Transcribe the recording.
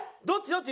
どっち？